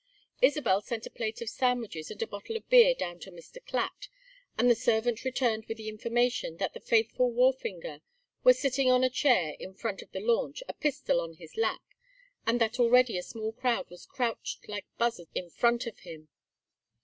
Isabel sent a plate of sandwiches and a bottle of beer down to Mr. Clatt, and the servant returned with the information that the faithful wharfinger was sitting on a chair in front of the launch, a pistol on his lap; and that already a small crowd was crouched like buzzards in front of him.